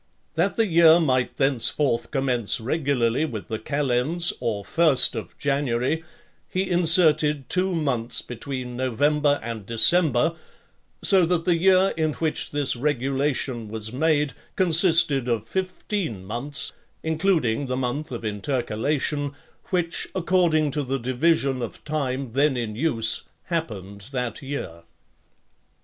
That the year might thenceforth commence regularly with the calends, or first of January, he inserted two months between November and December; so that the year in which this regulation was made consisted of fifteen months, including the month of intercalation, which, according to the division of time then in use, happened that year.